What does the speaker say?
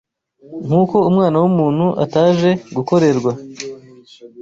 Nk’uko Umwana w’umuntu ataje gukorerwa,